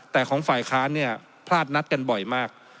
แต่ของฝ่ายค้านเนี่ยพลาดนัดกันบ่อยมาก